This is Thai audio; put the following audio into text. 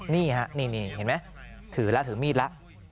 นี่ฮะเห็นไหมถือมีดละ